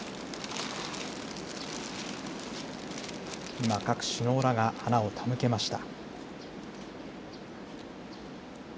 今、各首脳らが花を手向けました。